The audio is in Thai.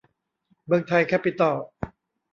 เมืองไทย แคปปิตอล